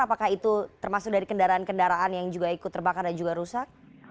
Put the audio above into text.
apakah itu termasuk dari kendaraan kendaraan yang juga ikut terbakar dan juga rusak